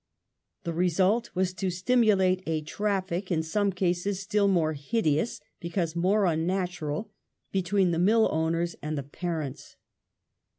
The result was to stimulate a traffic, in some senses still more hideous because more unnatural, between the mill owners and the parents.